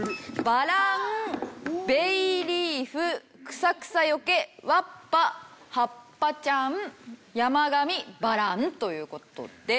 「バラン」「ベイリーフ」「草草よけ」「ワッパ」「はっぱちゃん」「山紙」「バラン」という事で。